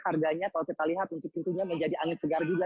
harganya kalau kita lihat untuk tentunya menjadi angin segar juga